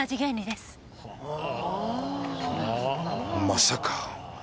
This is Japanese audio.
まさか。